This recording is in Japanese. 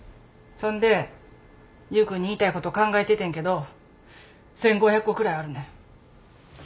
そんで優君に言いたいこと考えててんけど１，５００個くらいあるねん。